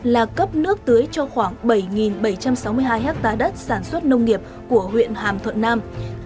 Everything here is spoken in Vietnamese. là cấp nước tưới cho khoảng bảy bảy trăm sáu mươi hai hectare đất sản xuất nông nghiệp của huyện hàm thuận nam